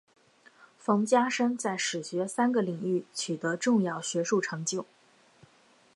冯家升在史学三个领域取得重要学术成就。